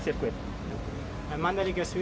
sirkuit mandalika bagus